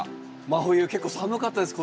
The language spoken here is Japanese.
真冬結構寒かったです